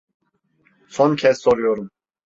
Son kez soruyorum.